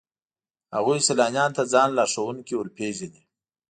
هغوی سیلانیانو ته ځان لارښوونکي ورپېژني.